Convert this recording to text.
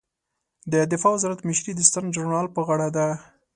د دفاع وزارت مشري د ستر جنرال په غاړه ده